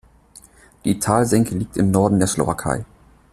Die Talsenke liegt im Norden der Slowakei.